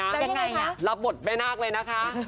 แล้วยังไงคะรับบทแม่นักเลยนะคะ